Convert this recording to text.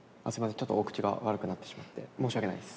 ちょっとお口が悪くなってしまって申し訳ないです。